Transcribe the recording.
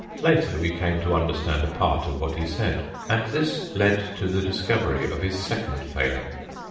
Later, we came to understand a part of what he said, and this led to the discovery of his second failing.